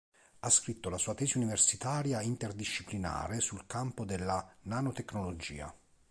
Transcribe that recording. Ha scritto la sua tesi universitaria interdisciplinare sul campo della nanotecnologia.